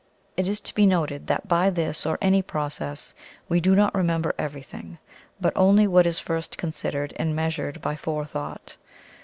It is to be noted that by this, or any process, we do not remember everything, but only what is first considered and measured by Forethought.